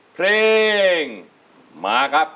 เพลงมาครับ